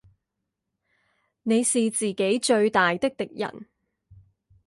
你是自己最大的敵人